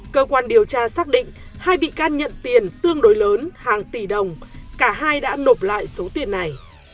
cơ quan điều tra xác định hai bị can nhận tiền tương đối lớn hàng tỷ đồng cả hai đã nộp lại số tiền này